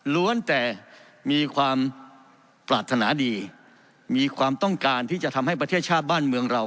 แต่มีความปรารถนาดีมีความต้องการที่จะทำให้ประเทศชาติบ้านเมืองเรา